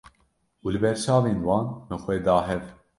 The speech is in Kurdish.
û li ber çavên wan min xwe da hev